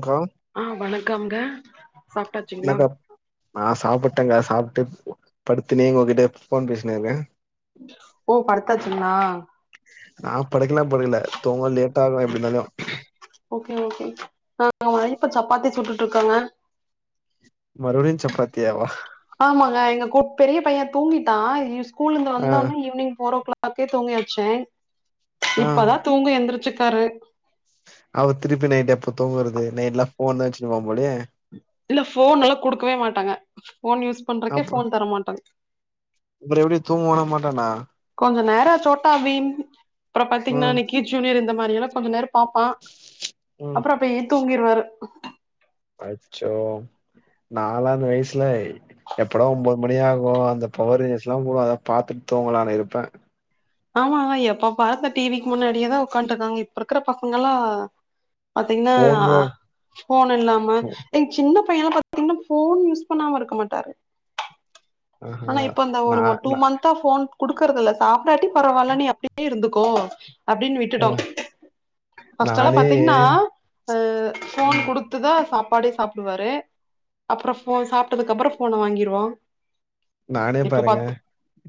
க்கா ஆ வணக்கம்ங்க சாப்டாச்சிங்களா என்னக்கா நா சாப்புட்டேங்க சாப்புட்டு போ படுத்துனே உங்ககிட்ட ஃபோன் பேசினு இருக்குறே ஓ படுத்தாச்சுங்கலா நா படுக்கலா படுக்கல தூங்க லேட் ஆகு எப்டிருந்தாலியோ ஓகே ஓகேங்க [unintelligible] நா இப்ப சப்பாத்தி சுட்டுட்டு இருக்கங்க மறுபடியு சப்பாத்தியாவா ஆமாங்க எங்க கு பெரிய பையே தூங்கிட்டா ஸ்கூல்லருந்து ஆ வந்தோட்னே ஈவினிங் ஃபோர் ஓ கிளாக் க்கே தூங்கி வச்சேன் ஆ இப்பதா தூங்கி எந்திரிச்சுக்காரு அவர் திருப்பி நைட்டு எப்ப தூங்கறது நைட்லா ஃபோன் தா வெச்சினுயிருப்பான் போலயே இல்ல ஃபோன் எல்லா குடுக்கவே மாட்டங்க ஃபோன் யூஸ் பண்றக்கே ஃபோன் தர மாட்டேங் உங்கல எப்டி தூங்குவானா மாட்டானா கொஞ்சோ நேர சோட்டா பீம் அப்பறோ பாத்தீங்கன்னா ம் நிக்கி ஜூனியர் இந்த மாரி எல்லா கொஞ்சோ நேரோ பாப்பான் ம் அப்றோ போயி தூங்டுவாரு அச்சோ நாலா அந்த வயசுலேய் எப்பட ஒம்போது மணியாகு அந்த பவர் ரேஞ்சர்ஸ்லா போடுவாங்க அத பாத்துட்டு தூங்கலான்னு இருப்பே ஆமா எப்ப பார் அந்த டி வி க்கு முன்னாடியேதா ஒக்கான்ட்டு இருக்காங்க இப்ப இருக்கற பசங்களாம் பாத்தீங்னா ஃபோன் கூட ஃபோன் இல்லாம எங்க சின்ன பையன்லா பாத்தீங்கன்னா ஃபோன் யூஸ் பண்ணாம இருக்க மாட்டாரு ஆஹா ஆனா இப்ப இந்த நா ஒரு ஒர் டூ நா ம ந்தா ஃபோன் குடுக்கறது இல்ல சாப்டாட்டி பரவால்ல நீ அப்டியே இருந்துக்கோ அப்டின் அ விட்டுட்டோ ஃபஸ்ட் எல்லா நானே பாத்திங்ன்னா எ ஃபோன் ம் குடு த்துதா சாப்பாடே சாப்டுவாரு அப்புறோ ஃபோ சாப்ட்டதுக்கு அப்புறோ ஃபோன வாங்கிருவோ. நானே பாருங்க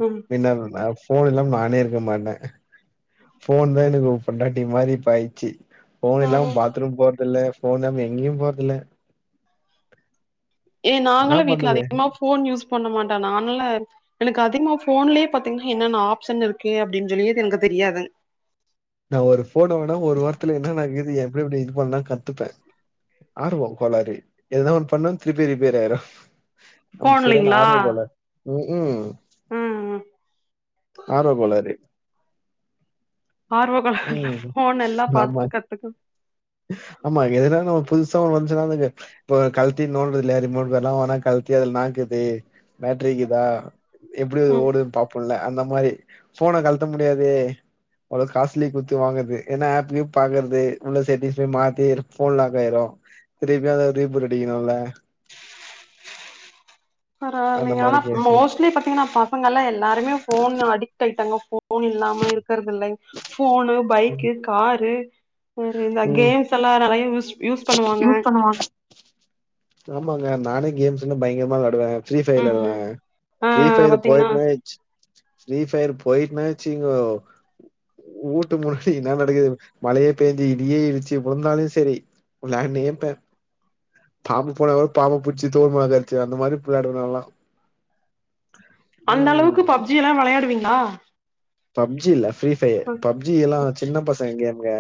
ம் என்னாது [unintelligible] ஃபோன் இல்லாம நானே இருக்க மாட்டே ஃபோன் தா எனக்கு பொண்டாட்டி மாரி இப்ப ஆயிச்சி. ஃபோன் இல்லாம பாத்ரூம் போறதில்ல ஃபோன் இல்லாம எங்கியும் போறதில்ல. ஏ என்னா நாங்கள்லா வீட்ல பண்ணுவே அதிகமா ஃபோன் யூஸ் பண்ண மாட்டோ நான் எல்ல எனக்கு அதிகமா ஃபோன்லியே பாத்திங்ன்னா என்னென்ன ஆப்ஷன் இருக்கு அப்டின் சொல்லியே இது எனக்கு தெரியாதுங். நா ஒரு ஃபோனு வாங்குனா ஒரு வாரத்துல என்னென்ன இக்குது எப்டி எப்டி இது பண்லான் கத்துப்பே. ஆர்வோ கோளாறு எதுனா ஒன் பண்ணா திருப்பியு ரிப்பேர் ஆயிரு. அப் செரியான ஃபோன்லைங்களா ஆர்வ கோளாறு ம்ஹு ம் ம் ஆர்வ கோளாறு. ஆர்வ கோளாறேல்லா ம் ஃபோன் எல்லா நம்ம பாத்து கத்துக்க ஆமா எதுனாலு நம்ம புதுசா ஒன் வஞ்ச்சுனா அதுக்கு இப்போ கழ்ட்டி நோன்றது இல்லியா ரிமோட் கார்லா வாங்குனா கழ்ட்டி அதுல இன்னாக்குது பேட்ரிக்குதா? எப்டி அது ம். ஓடுதுன் பாப்போல்ல அந்த மாரி ஃபோன கழ்ட்ட முடியாதே. அவ்ளோ காஸ்லி குட்த்து வாங்கற்து ஏனா ஆப்கீப் பாக்கற்து உள்ள செட்டிங்ஸ் போய் மாத்தி இரு ஃபோன் லாக்காயிரு திருப்பியு அத ரீபூட் அடிக்குணு இல்ல. அந்த பரவாலிங்க மாரி ஆனாப் கேஸு மோஸ்ட்லி பாத்திங்கன்னா ப சங்கல்லா எல்லாருமே ஃபோனு அடிக்ட் ஆயிட்டாங்க ஃபோன் இல்லாம இருக்கறது இல்லைங் ஃபோனு ம் பைக்கு காரு இ இந்த ம் கேம்ஸ் எல்லா நறைய யூஸ் யூஸ் பண்ணுவாங்க. ஆமாங்க நானே கேம்ஸ் வந்து பயங்கரமா வெளாடுவே. ஃப்ரீ ஃபய ம், வெளாடுவே ம். ஆ ஃப்ரீ ஃபயரு பாத்தீங்கன்னா, போயிட்னாவே வெச் ஃப்ரீ ஃபயரு போயிட்னா வெச்சிகிங்கோ ஊட்டு முன்னாடி என்னா நடக்குது மழையே பேய்ஞ்சு இடியே இடிச்சு உழுந்தாலு செரி உளாண்ணேப்ப பாம்பு போனா கூட பாம்ப புச்சி தொள் மேல உக்கார வெச்சிவ அந்த மாதிரிப் வெளாடுவே நால்லா [unintelligible] அந்த அளவுக்கு பப்ஜி எல்லா வெளையாடுவிங்ளா? பப்ஜி இல்ல ஃப்ரீ ஃபய பப்ஜி எல்லா சின்ன பசங்க கேம்ங்க.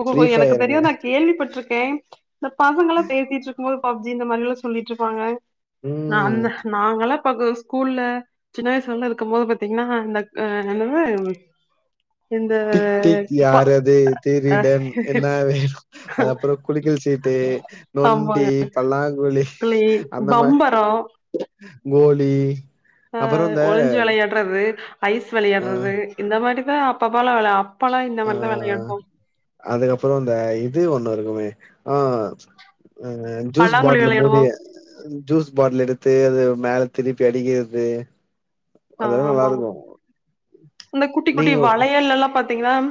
ஓஹோஹோ ஃப்ரீ எனக்கு ஃபயருங்க தெரியு நா கேள்விப்பட்ருக்கே இந்த பசங்கள்லா பேசிட்ரு க்ம்போது பப்ஜி இந்த மாரி எல்லா சொல்லிட்ருப்பாங்க. ம் அ அந்த நாங்கள்லா இப்ப கு ஸ்கூல்ல சின்ன வயசுலெல்லா இருக்கம் போது பாத்திங்ன்னா அ இந்தக் அ என்னது ம் டிக் டிக் ப யாரது? அ திருடன். என்னா வேணு? அது அப்புறோ குலுக்கல் சீட்டு, நொண்டி, ஆமாங்க பல்லாங்குழி கிளி அந்த மார் பம்பரோ கோலி ஆ அப்புறோ இந்த ஒளிஞ்சு வெளையாட்றது ஐஸ் ஆ வெளையாட்றது. இந்த மாரிதா அப்பப்பலா வெளை அப்பலா இந்த ஆ மாரிதா வெளையாடுவோ. அதுக்கப்புறோ அந்த இது ஒண்ணு இருக்குமே ஆ அ ஜூஸு பல்லாங்குழி பாட்லு வெளையாடுவோ மூடிய ஜூஸ் பாட்ல் எடுத்து அது மேல திருப்பி அடிக்கிறது. அதெல் நல்லாருக்கு. அந்த குட்டி குட்டி வளையல்லெல்லா பாத்திங்கனாம்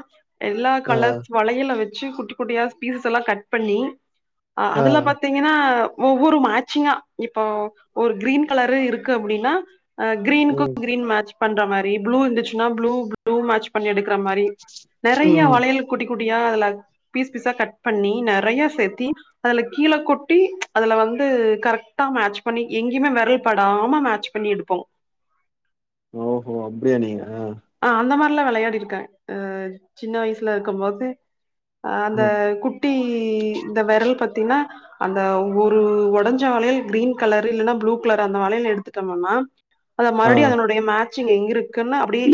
எல்லா ஆ கலஸ்சு வளையல வச்சு குட்டி குட்டியா பீசஸ்ஸெல்லா கட் பண்ணி ஆ அதுல பாத்தி ங்கன்னா ஒவ்வொரு மேச்சிங்கா இப்போ ஒரு க்ரீன் கலரு இருக்கு அப்டின்னா ஆ க்ரீனுக்கு ம் க்ரீன் மேச் பண்ற மாரி ப்ளூ இருந்துச்சுன்னா ப்ளூ ப்ளூ மேச் பண்ணி எடுக்குற மாரி நறைய ம் வளையல் குட்டி குட்டியா அதுல பீஸ் பீஸா கட் பண்ணி நறைய சேத்தி அதுல கீழே கொட்டி அதுல வந்து கரெக்டா மேச் பண்ணி எங்கேயுமே வெரல் படாம மேச் பண்ணி எடுப்போ ஓஹோ அப்டியா நீங்க ஆ அந்த மார்லா வெளயாடிருக்கே ஆ சின்ன வயசுலருக்கும்போது ஆ அந்த ம் குட்டி இந்த வெரல் பாத்தீனா அந்த ஒரு ஒடஞ்ச வளையல் க்ரீன் கலரு இல்லன்னா ப்ளூ கலர் அந்த வளையல் எடுத்துட்டம்மனா அத ஆ மறுப்டி அதனுடைய மேச்சிங் எங்கருக்குன் அப்டியே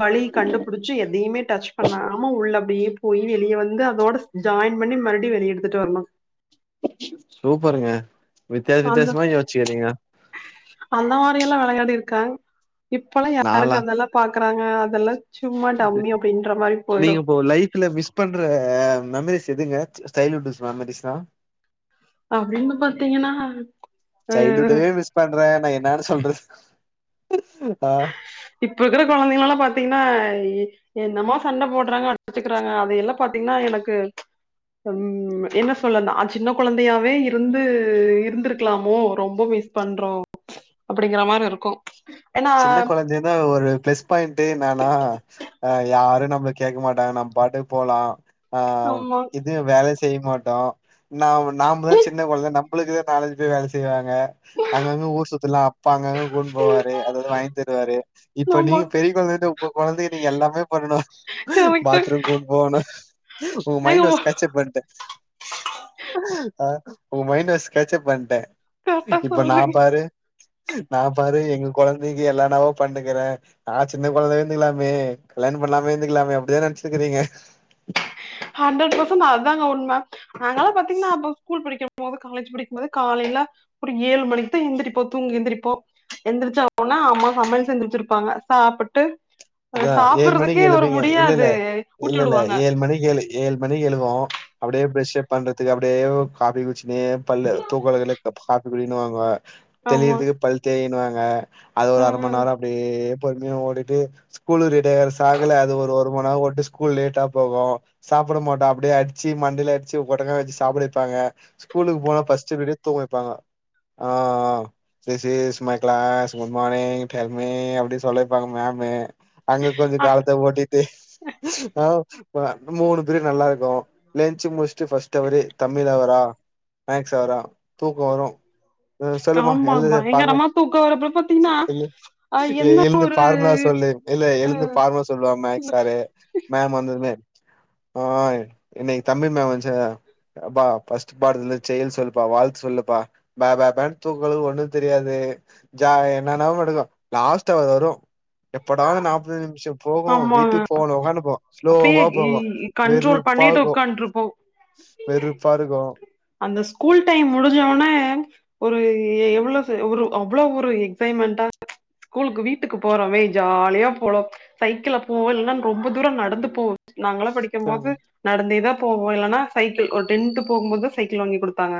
வழி கண்டுபுடிச்சு எதையுமே டச் பண்ணாம உள்ள அப்டியே போய் வெளியே வந்து அதோட ஜாயின் பண்ணி மறுப்டி வெளிய எடுத்துட்டு வர்ணு சூப்பர்ங்க வித்தியாச அந்த வித்தியாசமா யோச்சுக்குறீங்க அந்த மாரி எல்லா வெளயாடிருக்க இப்பலா யாருங்க நாலா அதல்லா பாக்குறாங்க அதல்லா நீங்க இப்போ லைஃப்ல மிஸ் பண்ற மெமரிஸ் எதுங்க சைல்வுட்டூஸ் மெமரிஸ்ன்னா அப்டின்னு பாத்தீங்கன்னா ஆ பண்றே நா என்னானு சொல்றது ஆ இப்பருக்ற கொழந்தைங்கலல்லா பாத்தீங்கன்னா என்னமா சண்ட போட்றாங்க அடிச்சுக்கிறாங்க அதையெல்லா பாத்தீங்கன்னா எனக்கு ம் என்ன சொல்ல நா சின்ன கொழந்தயாவே இருந்து இருந்திருக்கலாமோ ரொம்ப மிஸ் பண்றோ அப்டிங்ற மாரி இருக்கு ஏன்னா சின்ன கொழந்தையா தா ஒரு ப்ளஸ் பாயிண்ட்டு என்னானா ஆ யாரு நம்ள கேக்க மாட்டாங்க நம் பாட்டுக்கு போலா ஆ ஆமா எது வேல செய்ய மாட்டோ நா நாம தா சின்ன கொழந்த நம்ளுக்குதா நாலஞ்சு பேரு வேல செய்வாங்க அங்கங்க ஊர் சுத்துலா அப்பா அங்கங்க கூட்னு போவாரு அத இது வாய்ன் தருவாரு இப்ப ஆமா நீங்க பெரிய கொழந்தாய்ட்டு ஒங்க கொழந்தைக்கி நீங்க எல்லாமே பண்ணணு கரெக்டா பாத்ரூம் கூட்போவுனு ஒங்க மைண்ட் ஏங்க வாய்ஸ் கேச்சப் பண்ட்டே ஆ ஒங்க மைண்ட் வாய்ஸ் கேச்சப் பண்ட்டே கரெக்டா இப்ப நா சொல்றீங்க பாரு நா பாரு எங்க கொழந்தக்கி எல்லானாவோ பண்ணுக்குறே நா சின்ன கொழந்தயாவே இந்துக்கலாமே கல்யாணம் பண்ணாமே இந்துக்கலாமே அப்டிதா நென்ச்சுக்குறீங்க ஹண்ட்ரட் பர்சன்ட் அதாங்க உண்ம நாங்களா பாத்தீங்னா அப்ப ஸ்கூல் படிக்கிற போது காலேஜ் படிக்குபோது காலைல ஒரு ஏழு மணிக்கு தா எந்திரிப்போ தூங்கி எந்திரிப்போ எந்திரிச்ச ஒ னா அம்மா சமையல் செஞ்சு வச்சிருப்பாங்க சாப்புட்டு அது அதா ஏழு மணிக்கு சாப்பறதுக்கே ஒரு எழுப்பீங்க இல்ல முடியாது ஊட்டி வுடுவாங்க ஏழ் மணிக்கி எழுகுவோ அப்டியே ப்ரஷப் பண்றதுக்கு அப்டியே காஃபி குச்சினே பல்லு தூக்கலக்கதுல காஃபி குடின்னுவாங்க ஆமா தெளியிறதுக்கு பல்தேய்யினுவாங்க அது ஒரு அர மண் ம் நேர அப்டியே பொறுமயா ஓடிட்டு ஸ்கூல் ரெடியாகுற சாக்குல அது ஒரு மண்நேரோ ஓட்டிஸ்கூல் லேட்டா போகு சாப்புட மாட்டோ அப்டியே அட்ச்சு மண்டய்ல அட்ச்சு கொட்டங்க வச்சு சாப்ட வெப்பாங்க ஸ்கூலுக்கு போனா ஃபர்ஸ்ட்டு பீரியடே தூங்க வப்பாங்க ஆ ஆ சிசிஸ் மை க்ளாஸ் குட் மானிங் டெல் மி அப்டி சொல்ல வெப்பாங்க மேமு அங்க கொஞ்சோ அ காலத்த ஓட்டிட்டு ஆ மூணு பிரிடு நல்லா இருக்கு லெஞ்ச் முடிசிட்டு ஃபஸ்ட் அவரே தமிழ் அவரா மேக்ஸ் அவரா ஆ சொல்லுமா ஆமா எழுதுங்க பயங்கரமா தூக்க வரப்ப பாத்தீங்கன்னா அ என்ன [unintelligible] பார்முலா சொல்லு இல்ல எழுந்து பார்முலா சொல்ல மேக்ஸ் சாரு மேம் வந்ததுமே ஆ இன்னக்கி தமிழ் மேம் வன்ச்சா எப்பா ஃபஸ்ட்டு பாடுத்ல செயுள் சொல்லுப்பா வாழ்த்து சொல்லுப்பா பேபேபே தூங்க கலக்கதுல ஒண்ணு தெரியாது ஜா என்னான [unintelligible] லாஸ்ட் அவர் வரு எப்படா இந்த நாப்பத்தஞ்சு நிமிஷோ போகு ஆமாங்க வீட்டுக் போணு உகான்டுயிப்போ அப்டியே ஸ்லோவா போவு கண்ட்ரோல் வெறுப்பா பண்ணிட்டு இக்கு உக்காண்ட்ருப்போ வெறுப்பா இருக்கு அந்த ஸ்கூல் டைம் முடிஞ்ச ஒனே ஒரு எவ்ளோ ஒரு அவ்ளோ ஒரு எக்ஸைமெண்டா ஸ்கூலுக் வீட்டுக்கு போறோவே ஜாலியா போலோ சைக்கிள்ள போவோ இல்லனா ரொம்ப தூர நடந்து போ நாங்கெல்லா படிக்கும் ஆ போது நடந்தேதா போவோ இல்லனா சைக்கிள் ஒரு டென்த் போகும் போது சைக்கிள் வாங்கி குடுத்தாங்க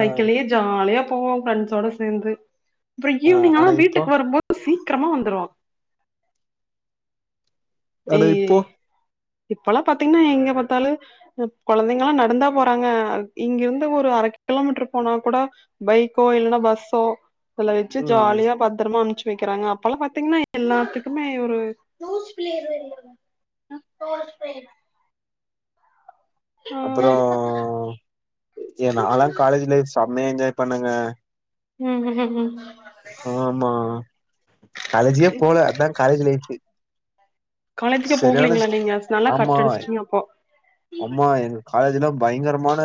சைக்கிள்ளயே ஜாலியா போவோ பிரெண்ஸ் சோட சேந்து அப்றோ ஆ ஈவினிங் ஆனா இப்போ வீட்டுக் போம்போது சீக்கிரமா வந்துரு ஆனா இப்போ இப்பெல்லா பாத்தீங்கன்னா எங்க பாத்தாலு கொழந்தைகளா நடந்தா போறாங்க இங்கிருந்து ஒரு அர கிலோமீட்டர் போனா கூட பைக்கோ இல்லனா பஸ்ஸோ அதல வெச்சு ம் ஜாலியா பத்திரமா அமுச்சு வைக்கிறாங்க அப்பெல்லா பாத்தீங்கன்னா எல்லாத்துக்குமே ஒரு [unintelligible] ஆ அப்றோ ஏ நால்லா காலேஜ் லைஃப் செமையா என்ஜாய் பண்ணங்க ம் ம்ஹீ ம் ஆமா காலேஜிக்கே போல அதா காலேஜ் லைஃப்பு காலேஜிக்கே போகலீங்ளா நீங்க நல்லா கட் ஆமா அடிச்சிட்டீங்க அப்போ ஆமா எங்க காலேஜ்லா பயங்கரமான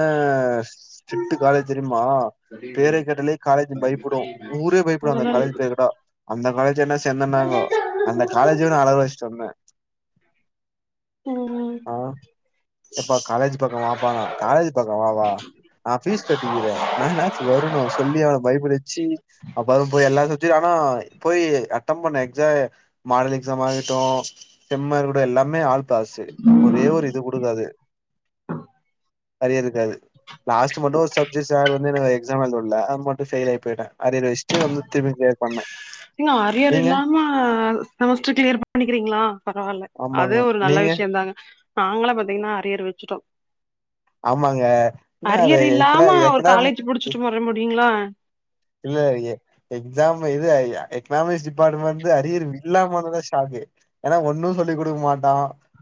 ஸ்டிட்டு காலேஜ் தெரியுமா பேர கேட்டாலே காலேஜ் பயப்படு ஊரே பயப்படு அந்த அதனால காலேஜ் பேர கேட்டா அந்த காலேஜ் என்ன சேந்தன்னாங்கோ அந்த காலேஜ்ஜவே நா அழ வெச்சுட்டமே ம் ம் ஆ எப்பா காலேஜ் பக்க வாப்பானா காலேஜ் பக்க வா வா நா பீஸ் கட்டிக்கிற நா என்னச்சுகு வரணு சொல்லி அவன பயப்பட வெச்சி அப்றோ போய் எல்லாரு [unintelligible] ஆனா போய் அட்டம் பண்ண எக்ஸாமே மாடல் எக்ஸாமா ஆகட்டு செம்மா இருக்கடு எல்லாமே ஆள் பாசு ஒரே ஒரு இது குடுக்காது அரியர் இக்காது லாஸ்ட்டு மட்டு ஒரு சப்ஜெட் சார் வந்து எனக்கு எக்ஸாம் எழுத விடல அது மட்டு பைல் அயிட்டே அரியர் வெச் டு வந்து திரும்பி கிளியர் பண்ண நீங்க அரியர் இல்லாம செமஸ்டர் கிளியர் பண்ணிக்கிறீங்ளா பரவால்ல அதே ஆமாங்க ஒரு நல்ல நீங்க விஷயோ தாங்க நாங்களா பாத்தீங்கன்னா அரியர் வெச்சிட்டோ ஆமாங்க என்ன அது அரியர் எக்கனா இல்லாம ஒரு காலேஜ் எக்கனாமிக் முடிச்சுட்டு வர முடியுங்ளா இல்ல எ எக்ஸாம் எது எக்கனாமிக்ஸ் டிபார்ட்மெண்ட்ந்து அரியர் இல்லாம வந்தாதா ஷாக்கு ஏனா ஒன்னு சொல்லி குடுக்க மாட்டா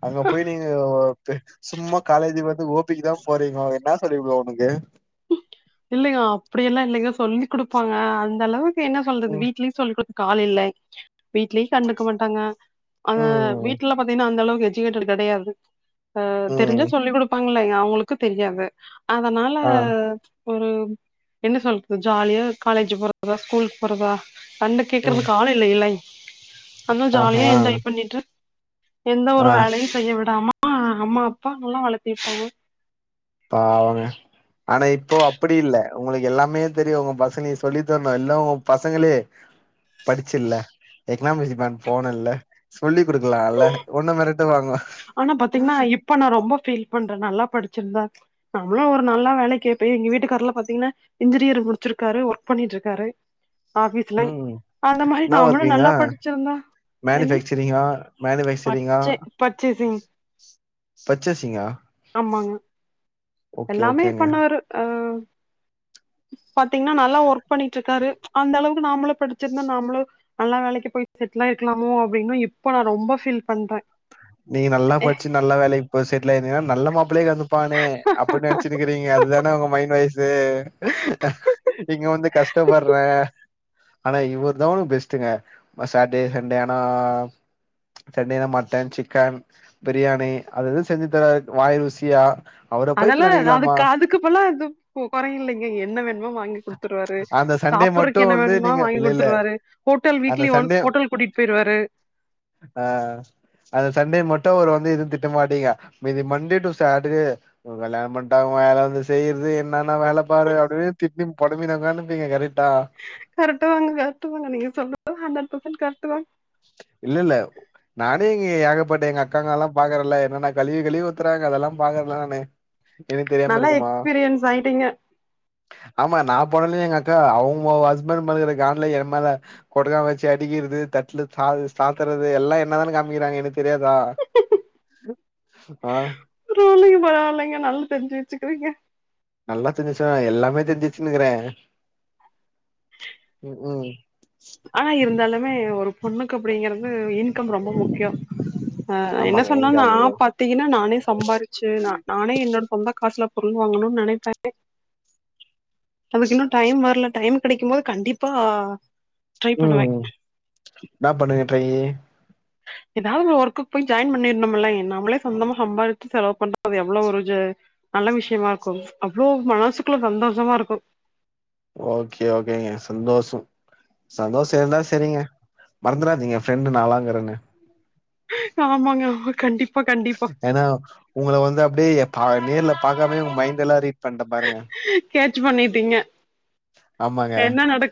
அங்க போய் நீங்க சும்மா காலேஜ் வந்து ஓபிக்குதா போறீங்கோ என்னா படி ப்ரோ உனக்கு இல்லைங்க அப்டிலா இல்லைங்க சொல்லி குடுப்பாங்க அந்த அளவுக்கு என்ன சொல்றது ம் வீட்லயு சொல்லி குடுக் ஆள் இல்ல வீட்லி கண்டுக்க மாட்டாங்க அத வீட் ம் வீட்ல பாத்தீங்கனா அந்த அளவு எஜுகேட்டட் கடையாது அ தெரிஞ்சா ம் சொல்லி குடுப்பாங்க ங்லய அவுங்களுக்கு தெரியாது அதனால ஆ ஒரு என்ன சொல்றது ஜாலியா காலேஜு போறதா ஸ்கூலுக் போறதா கண்டு ம் கேக்குறதுக்கு ஆளு இல்லைலை அது ஆஹா ஜாலியா என்ஜாய் பண்ணிட்டு எந்த ஒரு ஆ வேலையு செய்ய விடாம அம்மா அப்பா நல்லா வளத்திருப்பாங்க பாவங்க ஆனா இப்போ அப்படி இல்ல உங்களுக்கு எல்லாமே தெரியு உங் பசங்ளே சொல்லி தரணு எல்லா உங்க பசங்களே படிச்சில்ல எக்னாமிக்ஸ் மேம் போனல்ல சொல்லி குடுக்கலால ஒன்ன மிரட்டு வாங்க ஆனா பாத்தீங்னா இப்ப நா ரொம்ப ஃபீல் பண்ற நல்லா படிச்சிருந்தா நம்ளு ஒரு நல்லா வேலைக்கு பேய் எங்க வீட்டுக்கார்லா பாத்தீங்னா இன்ஜினியர் முடிச்சிருக்காரு ஒர்க் பண்ணிட்டு இருக்காரு ஆபீஸ்ல ம் அந்த மாரி நம்மளு நல்லா படிச்சிருந்த மேனுபேக்சரிங்கா மேனுபேக்சரிங்கா ம் பர்சசிங்கா ஆமாங்க எல்லாமே ஓகேங்க பண்ணுவரு ஆ பாத்தீங்னா நல்லா ஒர்க் பண்ணிட்டு இருக்காரு அந்த அளவுக்கு நாம்மளு படிச்சிருந்தா நாம்ளு நல்லா வேலைக்கி போய் செட்லாயிருக்கலாமோ அப்டின்னு இப்ப நா ரொம்ப ஃபீல் பண்ற நீங்க நல்லா படிச்சு நல்ல வேலைக்கு போய் செட்டில் ஆயிருந்தீங்கனா நல்ல மாப்பிளே வந்துப்பானே அப்டி நென ச்சின்னுகிறீங்க அதுதான உங்க மைண்ட் வாய்ஸு நீங்க வந்து கஷ்டப்பர்ற ஆனா இவர் தா உங் பெஸ்ட்டுங்க சாட்டர்டே சண்டே ஆனா சண்டேல மட்டன் சிக்கன் பிரியாணி அது அது செஞ்சு தராரு வாய் ருசியா அவர போய் இப்ப அதெல்லா ஏதாது நெனைக்கலாமா காதுக்குப்போல்லா இது கொர இல்லைங்க என்ன வேணுமோ வாங்கிக் குடு த்துருவாரு அந்த சண்டே மட்டு சாப்பற்றக் என்ன வந்து வேண்மா நீங்க வாங்கி இல்ல இல்ல குடுத்துருவாரு ஹோட்டல் அந்த வீக்லி சண்டே ஒன்ஸ் ஹோட்டல் கூட்டிட் போய்ருவாரு ஆ அந்த சண்டே மட்டு அவுரு வந்து எதுவு திட்டமாட்டீங்க மீதி மண்டே டு சாட்டர்டே ஒரு கல்யாண பண்டா வேல வந்து செய்றது என் னான வேல பாரு அப்டின்னு திட்டி பொலம்பி தாங்க அனுப்பிங்க கரட்டா கரட்டு தாங்க கரட்டு தாங்க நீங்க சொல்லுறதெல்லா ஹன்ட்ரட் பர்சன்ட் கரட்டு தாங்க இல்ல இல்ல நானே இங்கி ஏகப்பட்ட எங்க அக்காங்க எல்லா பாக்குறல்ல என்னன்னா கழுவி கழுவி உத்துறங்க அதெல்லா பாக்குறன்ல நானு எனக் தெரியாம நல்லா இருக்குமா எக்ஸ்பீரியன்ஸ் ஆயிட்டீங்க ஆமா நா போனலே எங்க அக்கா அவுங்க ஹஸ்பண்ட் மேல இருக்கற கான்ல என் மேல கொடுக்கா வச்சு அடிக்கிறது தட்ல ச சாத்துறது எல்லா என்னதான காமிக்கிறாங்க எனக் தெரியாதா ஆ பரவால்லைங்க பரவால்லைங்க நல்ல தெரிஞ்சு வச்சுக்கிறீங்க நல்லா தெரிஞ்சுச்சே எல்லாமே தெரிஞ்சிச்சுனுக்கிற உம் ஆனா இருந்தாலுமே ஒரு பொண்ணுக்கு அப்டிங்கிறது இன்கம் ரொம்ப முக்கியம் அ என்ன ஆமாங்க எங்க சொன்னன்னா ஆமாங்க பத் தீன்னா நானே சம்பாரிச்சு நா நானே என்னோட சொந்த காசுல பொருள் வாங்கண்னு நெனைப்பே அதுக்கு இன்னு டைம் வரல டைம் கிடைக்கு போது கண்டிப்பா ட்ரை பண்ணுவே உம் என்னா பண்ணுங்க டிரையி ஏதாது ஒரு ஒர்க்கக்கு போய் ஜாயின் பண்ணிரும்லை நம்மளே சொந்தமா சம்பாரிச்சு செலவு பண்றது எவ்வளோ ஒரு ஜ நல்ல விஷயமா இருக்கு அவ்ளோ மனசுக்குள்ள சந்தோஷமா இருக்கு ஓகே ஓகேங்க சந்தோஷோ சந்தோஷோ இருந்தா செரிங்க மறந்துறாதிங்க ஃபெர்ண்டு நாளாங்கறனு ஆமாங்க கண்டிப்பா கண்டிப்பா ஏன்னா உங்கள வந்து அப்டியே பா நேர்ல பாக்காமே ஒங்க மைண்ட் எல்லா ரீட் பண்ட்ட பாருங்க கேட்ச் பண்ணிட்டீங்க ஆமாங்க என்ன நடக்